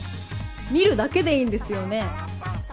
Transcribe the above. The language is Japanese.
観るだけでいいんですよね？